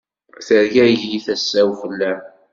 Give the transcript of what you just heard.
Tergagi-d tasa-w fell-am.